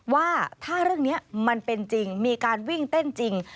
ว่าถ้าเรื่องนี้มันเป็นจริงมีการวิ่งเต้นจริง